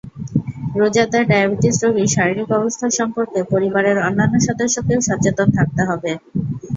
রোজাদার ডায়াবেটিস রোগীর শারীরিক অবস্থা সম্পর্কে পরিবারের অন্যান্য সদস্যকেও সচেতন থাকতে হবে।